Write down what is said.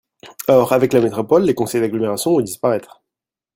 Or, avec la métropole, les conseils d’agglomération vont disparaître.